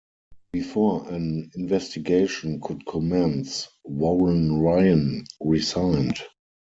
Before an investigation could commence, Warren Ryan resigned.